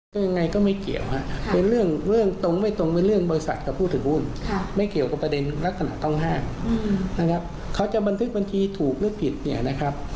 แล้วขนาดต้องห้ามนะครับเขาจะบันทึกบัญชีถูกหรือผิดเนี่ยนะครับ